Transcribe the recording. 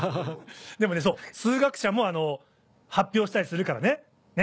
でもねそう数学者も発表したりするからね。